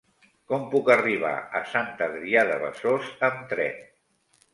Com puc arribar a Sant Adrià de Besòs amb tren?